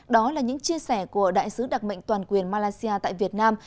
đó là những chia sẻ của đại sứ đặc mệnh toàn quyền malaysia tại việt nam